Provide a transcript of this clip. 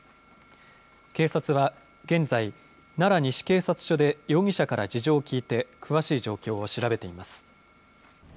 警察は現在、奈良西警察署で容疑者から事情を聞いて詳しい状況を調べています。